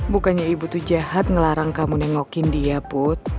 bukannya ibu tuh jahat ngelarang kamu nengokin dia put